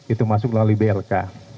itu masuk lalu blk